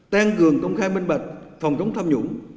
tên cường công khai mân bật phòng chống tham nhũng